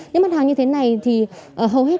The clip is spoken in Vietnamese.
những mặt hàng như thế này thì hầu hết